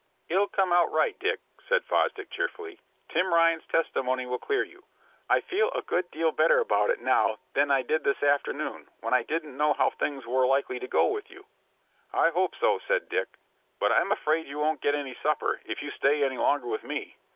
"It'll come out right, Dick," said Fosdick, cheerfully. "Tim Ryan's testimony will clear you. I feel a good deal better about it now than I did this afternoon, when I didn't know how things were likely to go with you." "I hope so," said Dick. "But I'm afraid you won't get any supper, if you stay any longer with me."